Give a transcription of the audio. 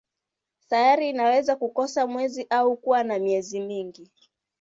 Sayari inaweza kukosa mwezi au kuwa na miezi mingi.